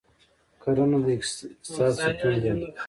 کرنه د اقتصاد ستون ده.